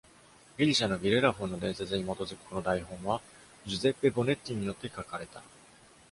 ギリシャのビレラフォンの伝説に基づくこの台本は、ジュゼッペ・ボネッキによって書かれた。